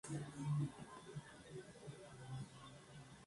La "Diosa del amor", pues provocaba pasiones.